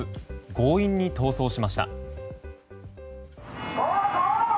強引に逃走しました。